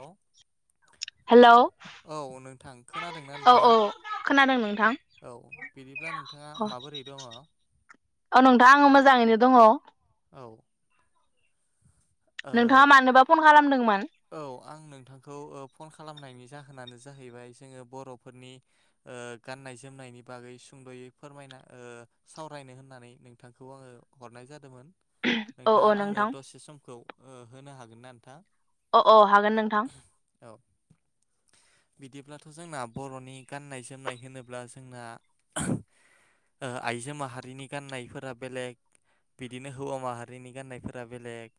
Hello औ नोंथां खोनादोंना औ औ नोंथाङा खोनादों नोंथां औ बिरिफ ब्ला नोंथाङा अ माबोरै दङ औ नोंथां आङो मोजाङैनो दङ औ नोंथाङा मानोबा फन खालामदोंमोन ओ औ आं नोंथांखौ ओ कल खालामनायनि जाहोन जाहोनानो जाहैबाय जोङो बर'फोरनि ओ गाननाय जोमनायनि बागै सुंद'यै फोरमायना ओ सावरायनो होननानै नोंथांखौ आङो हरनाय जादोंमोन औ नोंथाङा औ आंनो नोंथां दसे समखौ होनो हागोन ना नोंथां? अ अ हागोन नोंथां। औ बिदिब्लाथ' जोंना बर'नि गान्नाय जोमनाय होनोब्ला जोंना आइजो माहारिनि गान्नायफोरा बेलेग बिदिनो हौवा माहारिनि गाननायफोरा बेलेग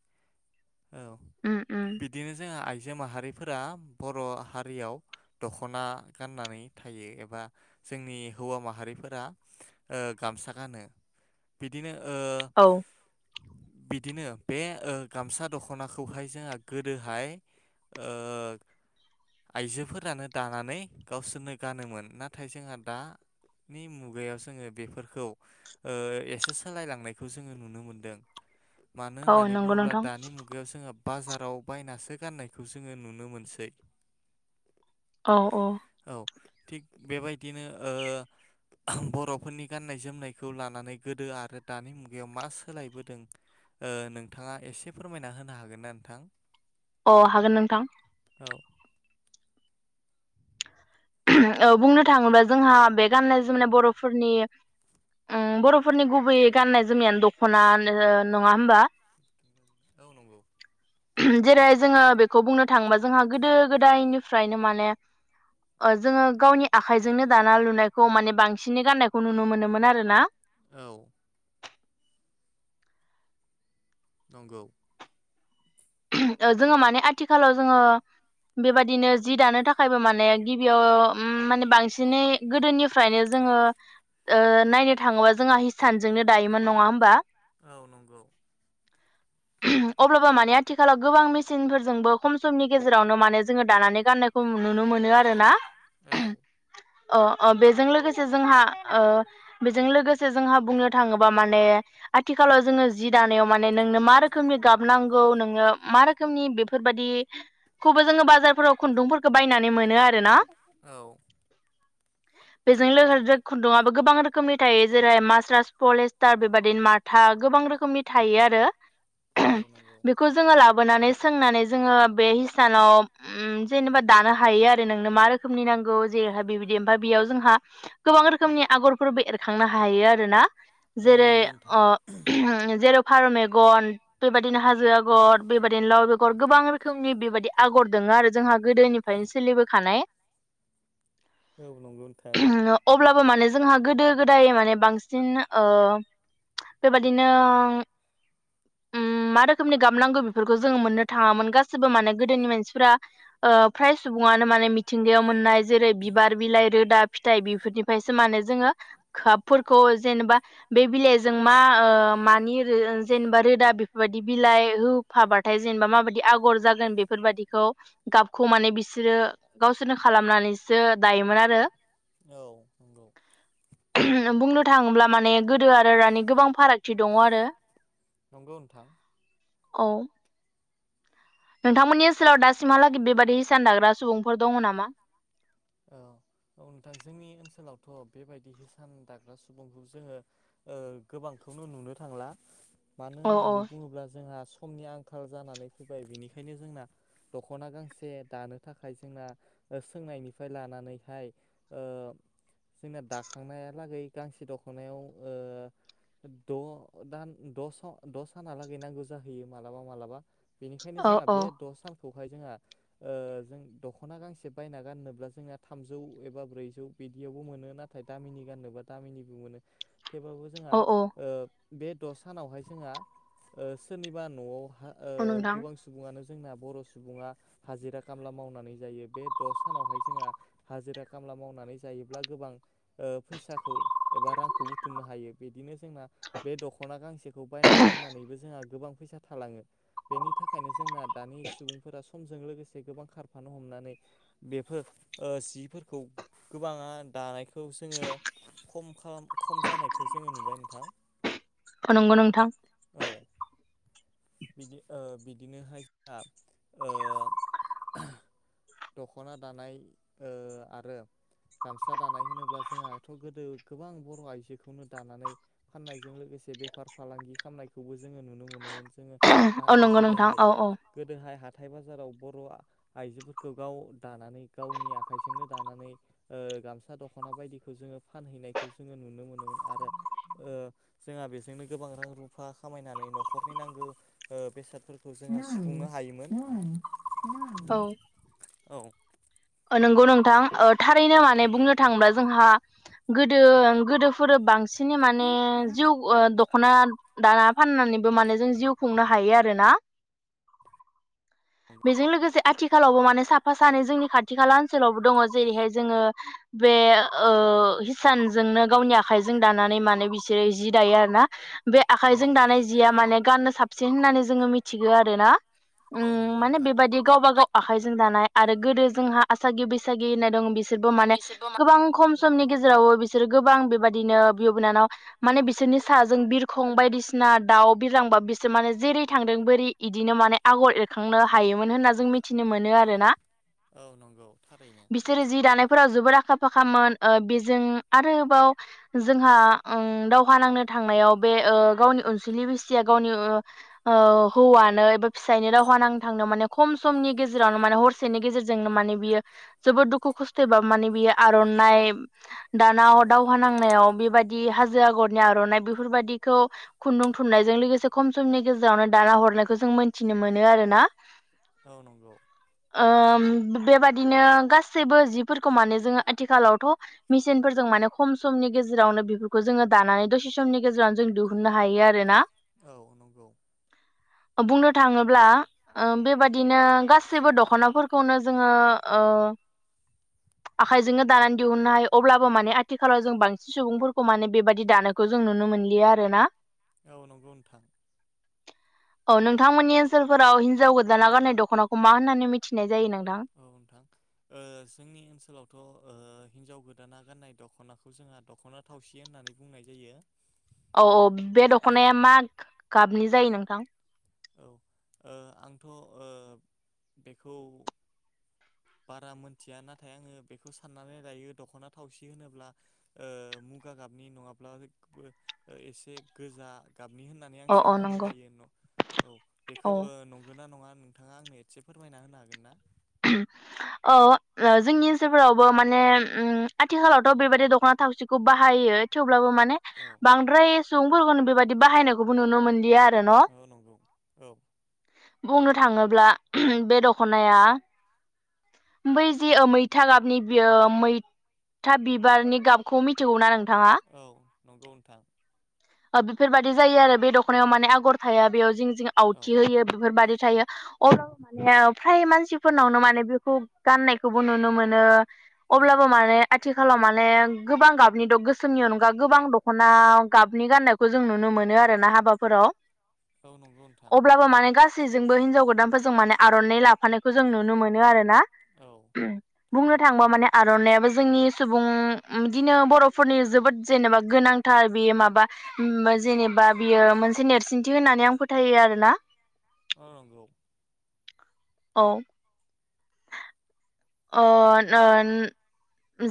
औ उम उम बिदिनो जोङा आइजो माहारि फोरा बर' हारियाव दख'ना गाननानै थायो एबा जोंनि हौवा माहारिफोरा ओ गामसा गानो बिदिनो ओ औ बिदिनो बे ओ गामसा दख'नाखौहाय जोंहा गोदोहाय ओ आइजोफोरानो दानानै गावसोरनो गानोमोन नाथाय जोंहा दानि मुगायाव जोङो बेफोरखौ ओ एसे सोलायलांनायखौ जोङो नुनो मोनदों। मानो औ होननानै नंगौ बुङोब्ला नोंथां दानि मुगायाव जोङो बाजाराव बायनासो गाननायखौ जोङो नुनो मोनसै। औ औ थिग बेबायदिनो ओ बर'फोरनि गाननाय जोमनायखौ लानानै गोदो आरो दानि मुगायाव मा सोलायबोदों ओ नोंथाङा एसे फोरमायना होनो हागोन ना नोंथां? अ हागोन नोंथां। औ औ बुंनो थाङोब्ला जोंहा बे गाननाय जोमनाय बर'फोरनि ओम बर'फोरनि गुबै गाननाय जोमनायानो दख'ना नङा होमबा औ नंगौ जेरै जोङो बेखौ बुंनो थाङोबा जोंहा गोदो गोदायनिफ्रायनो माने ओ जोङो गावनि आखाइजोंनो दाना लुनायखौ माने बांसिनै गाननायखौ नुनो मोनोमोन आरोना। औ नंगौ जोङो माने आथिखालाव जोङो बेबादिनो जि दानो थाखायबो माने गिबियाव ओम माने बांसिनै गोदोनिफ्रायनो जोङो ओ नायनो थाङोबा जोंहा हिसानजोंनो दायोमोन नङा होमबा। औ नंगौ। अब्लाबो माने आथिखालाव गोबां मेसिनफोरजोंबो खम समनि गेजेरावनो माने जोङो दानानै गाननायखौ नुनो मोनो आरोना। औ अ अ बेजों लोगोसे जोंहा ओ बेजों लोगोसे जोंहा बुंनो थाङोबा माने आथिखालाव जोङो जि दानायाव माने नोंनो मा रोखोमनि गाब नांगौ नों नो मा रोखोमनि बेफोरबायदिखौबो जोङो बाजारफोराव खुन्दुंफोरखौ बायनानै मोनो आरोना। औ बेजों लोगोसे खुन्दुङाबो गोबां रोखोमनि थायो जेरै मास्रास पलिस्टार बेबादिनो माथा गोबां रोखोमनि थायो आरो औ नंगौ बे लाबोनानै सोंनानै जोङो बे हिसानाव उम जेनेबा दानो हायो आरो नोंनो मा रोखोमनि नांगौ जेरैहाय बेबायदि ओमफ्राय बेयाव जोंहा गोबां रोखोमनि आगरफोरबो एरखांनो हायो आरोना। औ जेरै नंगौ नोंथां अ ओम जेरै फारौ मेगन बेबायदिनो हाजो आ गर बेबायदिनो लाव बेगर गोबां रोखोमनि बेबायदि आगर दोङो आरो जोंहा गोदोनिफ्रायनो सोलिबोखानाय। औ नंगौ नोंथां। अब्लाबो माने जोंहा गोदो गोदाय माने बांसिन बेबादिनो उम मा रोखोमनि गाब नांगौ बेफोरखौ जोङो मोननो थाङामोन गासिबो माने गोदोनि मानसिफ्रा फ्राय सुबुङानो माने मिथिंगायाव मोननाय जेरै बिबार, बिलाइ, रोदा फिथाइ बेफोरनिफ्रायसो माने जोङो खाबफोरखौ जेनेबा बे बिलाइ जों मा मानि जेनेबा रोदा बेफोरबायदि बिलाइ होफाबाथाय जेनेबा माबायदि आगर जागोन बेफोर बायदिखौ गाबखौ माने बिसोरो गावसोरनो खालामनानैसो दायोमोन आरो औ नंगौ बुंनो थाङोब्ला माने गोदो आरो गोबां फारागथि दङ आरो नंगौ नोंथां औ नोंथांमोननि ओनसोलाव दासिमहालागै बेबाय दि इसान दाग्रा सुबुंफोर दङ नामा? थ' बेबायदि हिसान दाग्रा सुबुंखौ जोङो गोबांखौनो नुनो थांला मानो औ औ होननानै बुङोब्ला जोंहा समनि आंखाल जानानै फैबाय बिनिखायनो जोंना दख'ना गांसे दानो थाखाय जोंना सोंनायनिफ्राय लानानैहाय जोंना दाखांनायालागै गांसे दख'नायाव द दान द' सानालागै नांगौ जाहैयो मालाबा मालाबा। बेनिखायनो औ जोंहा औ बे द' सान खौहाय जोंहा ओ जों दख'ना गांसे बायना गाननोब्ला जोंना थामजौ एबा ब्रैजौ बिदियावबो मोनो नाथाय दामिनि गाननोबा दामिनिबो मोनो थेवबाबो जोंहा औ औ ओ बे द सानावहाय जोंहा सोरनिबा न'आव ओ औ नोंथां गोबां सुबुङानो। जोंना बर' सुबुङा हाजिरा खामला मावनानै जायो बे द' सानावहाय जोंहा हाजिरा खामला मावनानै जायोब्ला गोबां फैसाखौ एबा रांखौ बुथुमनो हायो बिदिनो जोंना बे दख'ना गांसेखौ बायना गाननानैबो जोंहा गोबां फैसा थालाङो। बेनि थाखायनो जोंना दानि सुबुंफोरा सम जों लोगोसे गोबां खारफानो हमनानै बेफोर सिफोरखौ गोबाङा दानायखौ जोङो खम खम जानायखौ जोङो नुबाय नोंथां। नंगौ नोंथां औ बिदि बिदिनोहाय जोंहा ओ दख'ना दानाय आरो गामसा दानाय होनोब्ला जोंहाथ' गोदो गोबां बर' आइजोखौनो दानानै फाननायजों लोगोसे बेफार फालांगि खालामनायखौबो जोङो नुनो मोनोमोन जोङो। औ नंगौ नोंथां गोदोहाय औ औ गोदोहाय हा थाइ बाजाराव बर' आइजोफोर खौ गाव दानानै गावनि आखाइजोंनो दानानै गामसा दखना बायदिखौ जोङो फानहैनायखौ जोङो नुनो मोनोमोन आरो जोंहा बेजोंनो गोबां रां रुफा खामायनानै न'खरनि नांगौ बेसादफोरखौ जोङो सुफुंनो हायोमोन। औ। औ। नंगौ नोंथां थारैनो माने बुंनो थाङोब्ला जोंहा गोदो गोदोफोर बांसिन माने जिउ ओ द दख'ना दाना फाननानैबो माने जों जिउ खुंनो हायो आरोना बेजों लोगोसे आथिखालावबो माने साफा सानै जोंनि खाथि खाथि खाला ओनसोलावबो दङ जेरैहाय जोङो बे हिसानजोंनो गावनि आखाइजों दानानै मानोे बिसोरो जि दायो आरोना बे औ आखाइजों दानाय जिया माने गाननो साब बसिन होननानै जोङो मिथिगौ आरोना। औ नंगौ उम माने नोंथां बेबायदि गावबा बेबायदि गाव आखाइजों दानाय आरो गोदो जोंहा आसागि बिसागि नायदं बि सोरबो माने बिसोरबो मा गोबां खम समनि गेजेरावबो बिसोरो गोबां बेबायदिनो बिब बिनानाव माने बिसोरनि साजों बिरखं बायदिसिना दाउ बिरलांबा बिसोर माने जेरै थांदों बोरै बिदिनो माने आगर एरखांनो हायोमोन होनना जों मिथिनो मोनो आरोना औ नंगौ थारैनो बिसोरो जि दानायफोराव जोबोद आखा फाखामोन बेजों आरोबाव जोंहा दावहा नांनो थांनायाव बे गावनि अनसुलि बिसिया गावनि हौवानो एबा फिसायनो दावहा नांनो थांनायाव माने खम समनि गेजेरावनो माने हरसेनि गेजेरजोंनो माने बियो जोबोद दुखु खस्थ'यैबाबो माने बियो आर'नाइ दानाव औ दावहा नांनायाव बेबायदि दि हाजो आगरनि आर'नाइ बेफोरबायदिखौ खुन्दुं थुननायजों लोगोसे खम समनि गेजेरावनो दाना हरनायखौ जों मोनथिनो मोनो आरोना औ नंगौ उ बेबादिनो गासैबो जिफोरखौ माने जोंङो आथिखालावथ' मेसिनफोरजों माने खम समनि गेजेरावनो बेफोरखौ जोंङो दानानै दसे समनि गेजेरावनो जों दिहुननो हायो आरोना औ नंगौ बुंनो थाङोब्ला बेबादिनो गासैबो दख'नाफोरखौनो जोंङो आखाइजोंनो दानानै दिहुननो हायो अब्लाबो माने आथिखालाव जों बांसिन सुबुंफोरखौ माने बेबायाददि दानायखौ जों नुनो मोनलिया आरो ना औ नंगौ नोंथां औ नोंथांमोननि ओनसोलफोराव हिनजाव गोदाना गारनाय दख'नाखौ मा होननानै मिथिनाय जायो नोंथां औ नोंथां ओ जोंनि ओनसोलावथ'ओ हिन्जाव गोदाना गाननाय दख'नाखौ जोंहा दख'ना थावसि होननानै बुंनाय जायो औ औ बे औ दख'नाया मा गाबनि जायो नोंथां औ ओ आंथ' ओ बेखौ बारा मोनथिया नाथाय आङो बेखौ साननानै लायो दख'ना थावसि होनोब्ला मुगा गाबनि नङाब्ला एसे गोजा गाबनि होननानै आं औ औ साननानै नंगौ लायो न' औ बेखौ औ नंगौ नना नङा नोंथाङा आंनो एसे फोरमायना होनो हागोन ना औ जोंनि ओनसोलफोरावबो माने आथिखालावथ' बेबायदि दख'ना थावसिखौ बाहायो थेव ब्लाबो माने औ बांद्राय सुबुंफोरखौनो बेबायदि बाहायनायखौबो नुनो मोनलिया र न औ नंगौ औ [unintelligible] बुंनो थांङोब्ला बे दख'नाया बै जे मैथा गाबनि मैथा बिबारनि गाबखौ मिथिगौना‌ नों औ नंगौ नोंथां बेफोरबाददि जायो आरो बे दख'नायाव माने आगर थाया बेयाव औ आवथि होयो बेफोरबायदि मान मानसि [unintelligible] फोरनावनो माने बेखौ गाननायखौबो नुनो मोनो औ अब्लाबो माने आथिखाल आथिखालाव माने गोबां गाबनि गोसोमनि अनगा गोबां दख'ना गाबनि गाननायखौ जों नुनो मोनो आरोना हाबाफोराव औ नंगौ नोंथां अब्लाबो माने गासैजों बो हिनजाव गोदानखोजों माने आर'नाइ लाफानाय खौ जों नुनो मोनो आरो ना औ बुंनो थारैनो थाङोबा माने आर'नाइाबो जोंनि सुबुं बिदिनो बर'फोरनि जोबोद जेनेबा गोनांथार बेयो माबा जेनेबा बियो मोनसे नेरसोनथि होननानै आं फोथायो आरोना ओ नगौ औ अ नोन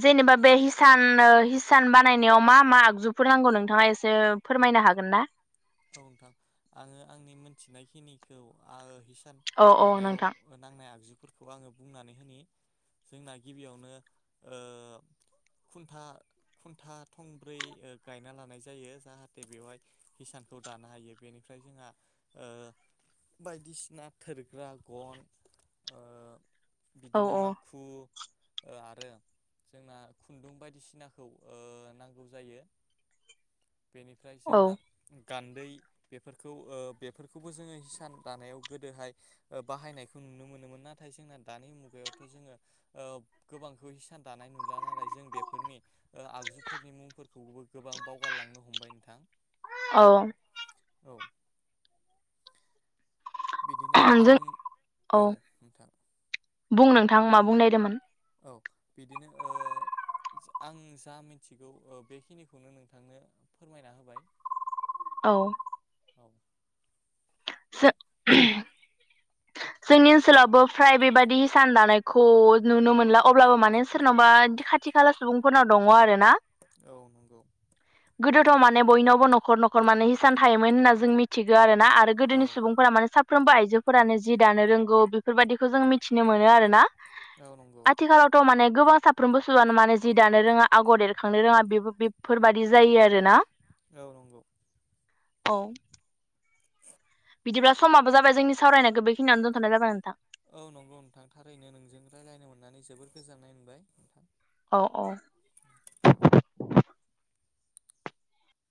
जेनेबा बे हिसान हिसान बानायनायाव मा मा आगजुफोर नांगौ नोंथाङा एसे फोरमायनो हागोन ना नंगौ नोंथां आङो आंनि मोनथिनायखिनिखौ आ हिस सान औ औ दानायाव नोंथां ओ नांनाय आगजु फोरखौ आङो बुंनानै होननि जोंना गिबियावनो ओ खुन्था खुन्था थंब्रै ओ गायना लानाय जायो जाहाथे बेवहाय हिसान खौ दानो हायो बेनिफ्राय जोंहा ओ बायदिसिना थोरग्रा गन ओ औ बिदिनो औ माखु ओ आरो जोंना खुन्दुं बायदिसिनाखौ नांगौ जायो बेनिफ्राय औ जोंहा गान्दै बेफोरखौ बेफोरखौबो जोङो हिसान दानायाव गोदोहाय बाहायनायखौ नुनो मोनोमोन नाथाय जोंना दानि मुगायावथ' जोङो ओ गोबांखौ हिसान दानाय नुला नालाय जों बेफोरनि आगजुफोरनि मुंफोरखौबो गोबां बावगारलांनो हमबाय नोंथां औ औ बिदिनो जों आंनि औ नोंथां बुं नोंथां मा बुंनायदोंमोन औ बिदिनो ओ आं जा मिथिगौ ओ बेखिनिखौनो नोंथांनो फोरमायना होबाय औ औ सो जोंनि ओनसोलावबो फ्राय बेबायदि हिसान दानायखौ नुनो मोनला अब्लाबो माने सोरनावबा खाथि खाला सुबुंफोरनाव दङ आरोना औ नंगौ गोदोथ' माने बयनावबो न'खर न'खर माने हिसान थायोमोन होनना जों मिथियो आरो ना आरो औ गोदोनि सुबुंफोरा माने सा साफ्रोमबो आइजोफोरानो जि दानो रोंगौ बेफोरबायदिखौ जों मिथिनो मोनो आरोना औ नंगौ आथिखालावथ' माने गोबां साफ्रोमबो सुबुआानो माने जि दानो रोङा आगर एरखांनो रोङा बे बेफोरबायदि जायो आरोना औ नंगौ औ बिदिब्ला समाबबो जाबाय जोंनि सावरायनायखौ बेखिनियाव दोनथनाय जाबाय नोंथां औ नंगौ नोंथां थारैनो नोंजों रायज्लायनो मोननानै जोबोर गोजोननाय मोनबाय नोंथां अ अ